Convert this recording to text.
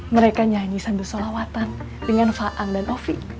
mereka nyanyi sandu sholawatan dengan fa'am dan ovi